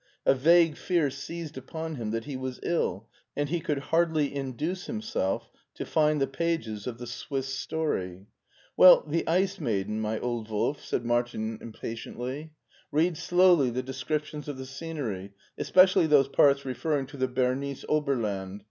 A vague fear seized upon him that he was ill, and he could hardly induce himself to find the pages of the Swiss story. " WeU, the ' Ice Maiden,' my old Wolf," said Martin 266 MARTIN SCHULER « impatiently. " Read slowly the descriptions of the scenery, especially those parts referring to the Bernese Oberland.